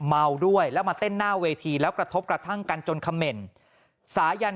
เมาด้วยแล้วมาเต้นหน้าเวทีแล้วกระทบกระทั่งกันจนเขม่นสายัน